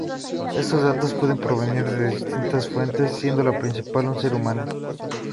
Estos datos pueden provenir de distintas fuentes, siendo la principal un ser humano.